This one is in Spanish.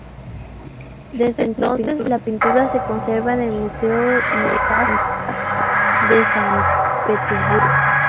Desde entonces, la pintura se conserva en el Museo del Hermitage de San Petersburgo.